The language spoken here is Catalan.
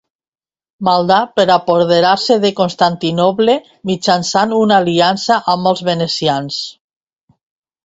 Maldà per apoderar-se de Constantinoble mitjançant una aliança amb els venecians.